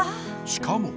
しかも。